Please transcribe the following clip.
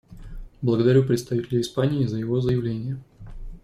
Благодарю представителя Испании за его заявление.